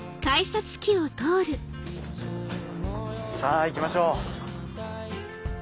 さぁ行きましょう。